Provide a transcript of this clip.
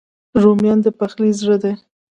رومیان د پخلي زړه دي